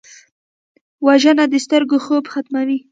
وژنه د سترګو خوب ختموي